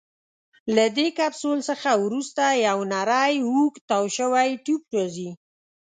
له دې کپسول څخه وروسته یو نیری اوږد تاو شوی ټیوب راځي.